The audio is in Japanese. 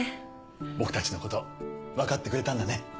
僕たちの事わかってくれたんだね。